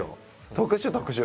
特殊特殊。